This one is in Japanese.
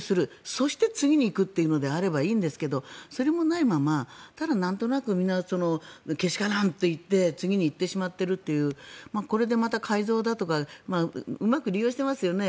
そして次に行くというのであればいいんですがそれもないままただなんとなくみんなけしからんと言って次に行ってしまっているというこれでまた改造だとかうまく利用してますよね